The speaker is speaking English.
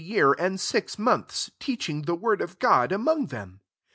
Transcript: ft year and six months ; teach ing the word of God among them.